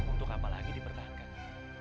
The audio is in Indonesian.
untuk apa lagi dipertahankan